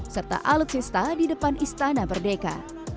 serta alutsista di depan istana merdeka